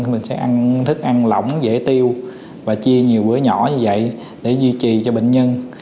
mình sẽ ăn thức ăn lỏng dễ tiêu và chia nhiều bữa nhỏ như vậy để duy trì cho bệnh nhân